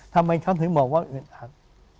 ทำไมฉันถึงบอกว่าอึดอัด